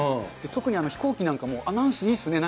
特に飛行機なんかも、アナウンスいいっすね。